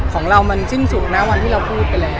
ของเรามันสิ้นสุดนะวันที่เราพูดไปแล้ว